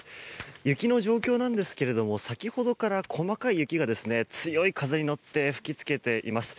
雪の状況なんですが先ほどから細かい雪が強い風に乗って吹き付けています。